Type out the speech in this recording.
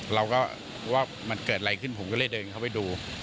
เราก็ว่ามันเกิดอะไรขึ้นผมก็เลยเดินเข้าไปดู